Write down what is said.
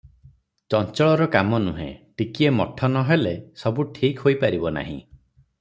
ଚଞ୍ଚଳର କାମ ନୁହେ- ଟିକିଏ ମଠ ନ ହେଲେ ସବୁ ଠିକ ହୋଇ ପାରିବ ନାହିଁ ।